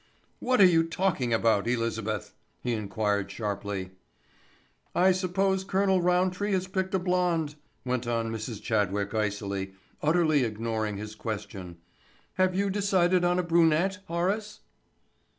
"What are you talking about, Elizabeth?" he inquired sharply. "I suppose Colonel Roundtree has picked a blonde," went on Mrs. Chadwick icily, utterly ignoring his question. "Have you decided on a brunette, Horace?"